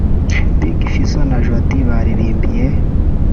Big Fizzo na Jody baririmbiye